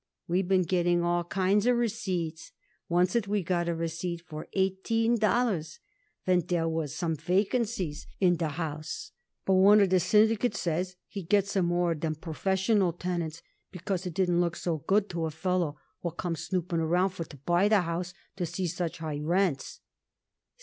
"We've been getting all kinds of receipts. Oncet we got a receipt for eighteen dollars, when dere was some vacancies in de house, but one of de syndicate says he'd get some more of dem 'professional' tenants, because it didn't look so good to a feller what comes snooping around for to buy the house, to see such high rents."